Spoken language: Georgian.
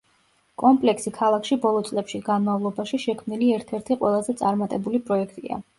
კომპლექსი ქალაქში ბოლო წლებში განმავლობაში შექმნილი ერთ-ერთი ყველაზე წარმატებული პროექტია.